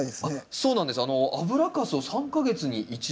そうなんです。